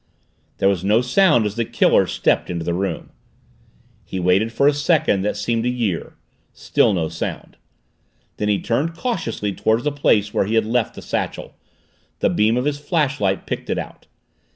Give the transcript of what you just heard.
There was no sound as the killer stepped into the room. He waited for a second that seemed a year still no sound. Then he turned cautiously toward the place where he had left the satchel the beam of his flashlight picked it out.